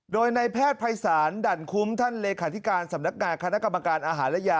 โดยในแพทย์ภัยสารดั่นคุ้มท่านลคสำนักงานคกรอย